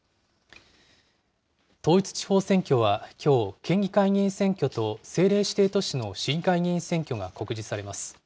統一地方選挙はきょう、県議会議員選挙と政令指定都市の市議会議員選挙が告示されます。